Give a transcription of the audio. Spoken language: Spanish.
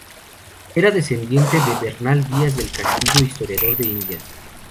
Era descendiente de Bernal Díaz del Castillo, historiador de Indias.